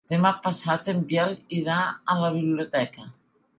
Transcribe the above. Demà passat en Biel irà a la biblioteca.